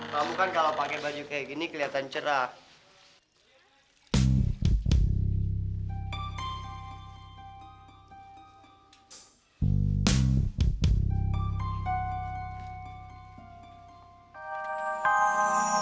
kamu kan kalau pakai baju kayak gini kelihatan cerah